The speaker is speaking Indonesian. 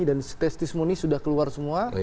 dan stes tismoni sudah keluar semua